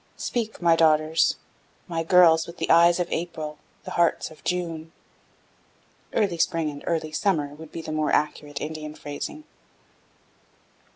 "'Speak, my daughters, my girls with the eyes of April, the hearts of June'" (early spring and early summer would be the more accurate Indian phrasing).